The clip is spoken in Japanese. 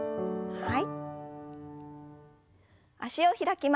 はい。